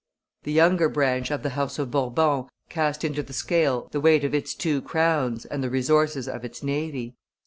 The younger branch of the house of Bourbon cast into the scale the weight of its two crowns and the resources of its navy.